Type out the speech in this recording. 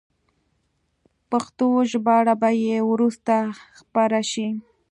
پښتو ژباړه به یې وروسته خپره شي.